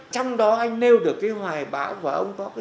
trong đó anh nêu được cái hoài báo của ông có cái gì đó